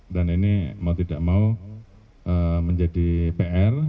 dan ini mau tidak mau menjadi pr